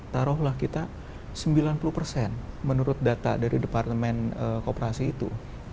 taruhlah kita sembilan puluh persen menurut data dari departemen kooperasi itu